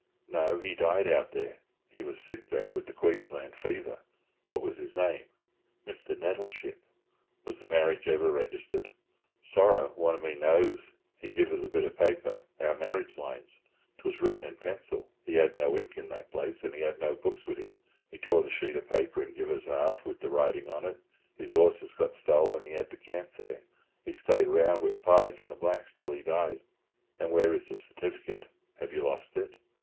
"No, he died out there. He was sick then, wid the Queensland fever." "What was his name?" "Mr. Nettleship." "Was the marriage ever registered?" "Sorra one of me knows. He giv us each a bit of paper—our marriage lines. 'Twas written in pencil. He had no ink in the place, and he had no books wid him. He tore the sheet of paper and give us each half, wid the writing on it; his horses got stole and he had to camp there. He stayed round wid Pike and the blacks till he died." "And where is the certificate? Have you lost it?"